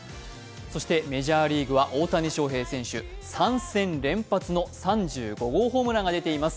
そして、メジャーリーグは大谷翔平選手、３戦連発の３５号ホームランが出ています。